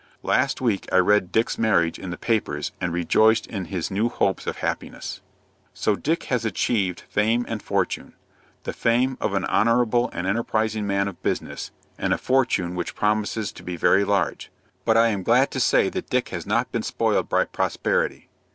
Last week I read Dick's marriage in the papers, and rejoiced in his new hopes of happiness. So Dick has achieved FAME and FORTUNE, the fame of an honorable and enterprising man of business, and a fortune which promises to be very large. But I am glad to say that Dick has not been spoiled by prosperity.